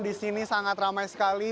di sini sangat ramai sekali